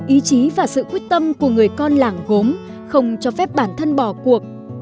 ý chí và sự quyết tâm của người con làng gốm không cho phép bản thân bỏ cuộc